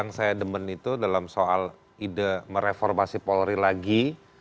yang saya demen itu dalam soal ide mereformasi polri lagi